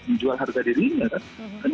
dijual harga dirinya kan